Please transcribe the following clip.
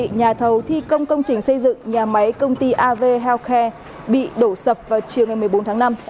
nhà thầu thi công công trình xây dựng nhà máy công ty av healthcare bị đổ sập vào chiều ngày một mươi bốn tháng năm